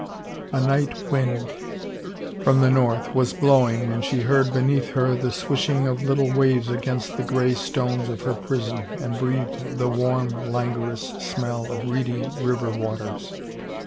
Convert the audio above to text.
A night wind from the north was blowing and she heard beneath her the swishing of the little waves against the gray stones of her prison and breathed the warm, languorous smell of reedy river wa ters.